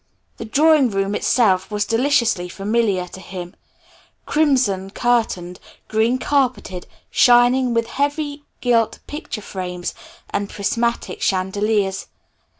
The drawing room itself was deliciously familiar to him; crimson curtained, green carpeted, shining with heavy gilt picture frames and prismatic chandeliers.